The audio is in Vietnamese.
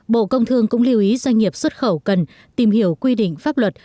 bộ công thương cũng lưu ý doanh nghiệp xuất khẩu cần tìm hiểu quy định pháp luật